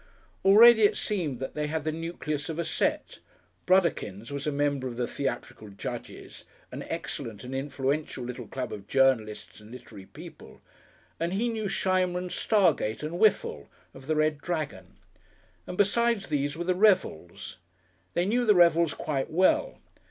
Already it seemed they had the nucleus of a set. Brudderkins was a member of the Theatrical Judges, an excellent and influential little club of journalists and literary people, and he knew Shimer and Stargate and Whiffle, of the "Red Dragon," and besides these were the Revels. They knew the Revels quite well.